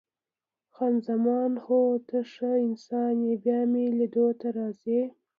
خان زمان: هو، ته ښه انسان یې، بیا مې لیدو ته راځې؟